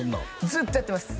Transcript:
ずっとやってます